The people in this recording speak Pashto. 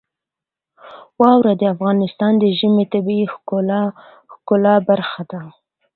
واوره د افغانستان د ژمنۍ طبیعت ښکلې برخه ده.